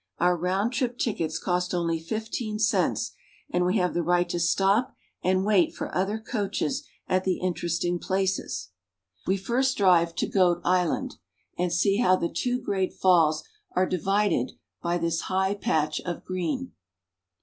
Our round trip tickets cost only fifteen cents, and we have the right to stop and wait for other coaches at the interesting places. NIAGARA FALLS. 1 99 We first drive to Goat Island and see how the two great falls are divided by this high patch of green.